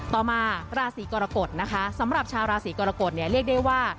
ต่อมาราศีกรกฎนะคะสำหรับชาวราศีกรกฎเนี่ยเรียกได้ว่า